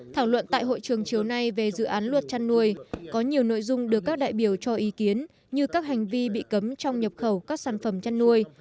thảo luận tại hội trường chiều nay về dự án luật chăn nuôi có nhiều nội dung được các đại biểu cho ý kiến như các hành vi bị cấm trong nhập khẩu các sản phẩm chăn nuôi